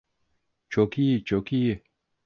Çok iyi, çok iyi.